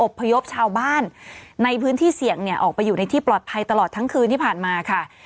พยพชาวบ้านในพื้นที่เสี่ยงเนี่ยออกไปอยู่ในที่ปลอดภัยตลอดทั้งคืนที่ผ่านมาค่ะ